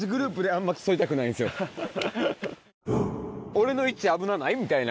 俺の位置危なない？みたいな。